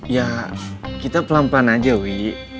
ya kita pelan pelan aja wi